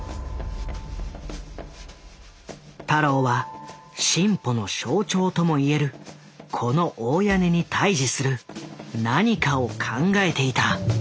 太郎は進歩の象徴ともいえるこの大屋根に対峙する何かを考えていた。